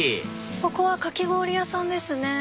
ここはかき氷屋さんですね。